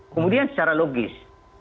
kemudian secara logis